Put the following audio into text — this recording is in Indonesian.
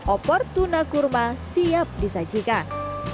opor tuna kurma siap disajikan